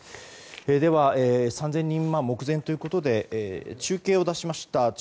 では３０００人目前ということで中継を出しました。